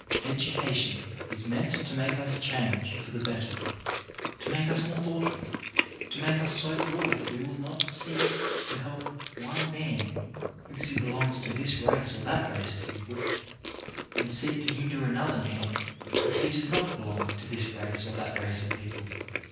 Education is meant to make us change for the better, to make us more thoughtful, to make us so broad that we will not seek to help one man be cause he belongs to this race or that race of people, and seek to hinder another man because he does not belong to this race or that race of people.